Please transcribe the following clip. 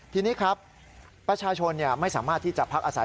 ทีนี้ครับประชาชนไม่สามารถที่จะพักอาศัย